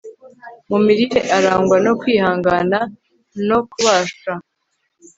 mu mirire arangwa no kwihangana no kubasha